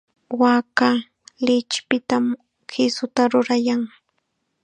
Waaka lichipitam kisuta rurayan.